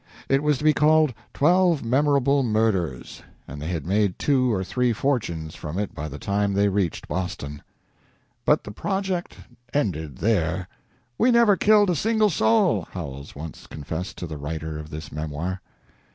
It was to be called "Twelve Memorable Murders," and they had made two or three fortunes from it by the time they reached Boston. "But the project ended there. We never killed a single soul," Howells once confessed to the writer of this memoir.